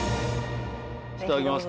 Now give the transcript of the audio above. いただきます。